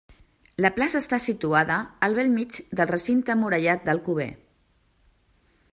La plaça està situada al bell mig del recinte murallat d'Alcover.